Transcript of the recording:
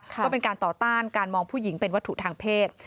ก็เป็นการต่อต้านการมองผู้หญิงเป็นวัตถุทางเพศ